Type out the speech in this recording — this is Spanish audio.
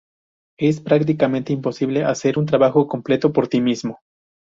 Es prácticamente imposible hacer un trabajo completo por ti mismo.